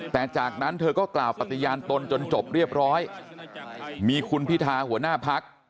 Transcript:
แต่จากนั้นเธอก็กล่าวปฏิญาณตนจนจบเรียบร้อยมีคุณพิธาหัวหน้าพัก